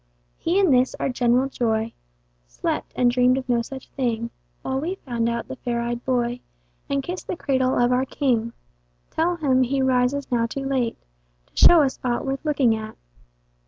He in this our general joy, Slept, and dreamt of no such thing While we found out the fair ey'd boy, And kissed the cradle of our king; Tell him he rises now too late, To show us aught worth looking at.